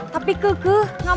tapi kekeh gak mau dianggap